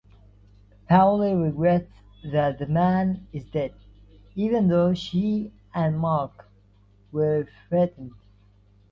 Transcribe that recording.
Paulie regrets that the man is dead, even though she and Marc were threatened.